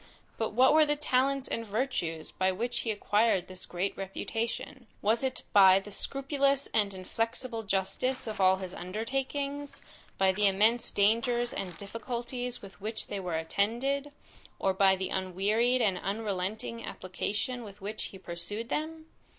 But what were the talents and virtues, by which he acquired this great reputation? Was it by the scrupulous and inflexible justice of all his undertakings, by the immense dangers and difficulties with which they were attended, or by the unwearied and unrelenting application with which he pursued them?